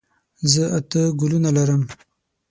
زه اته ګلونه لرم.